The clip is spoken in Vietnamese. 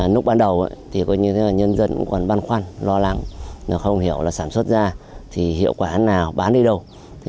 nước ban đầu nhân dân còn băn khoăn lo lắng không hiểu sản xuất ra hiệu quả nào bán đi đâu